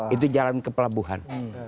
itu jalan ke pelabuhan